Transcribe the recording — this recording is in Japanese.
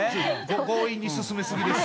強引に進め過ぎです。